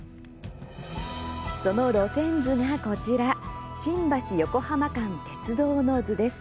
その路線図がこちら「新橋横浜間鉄道之図」です。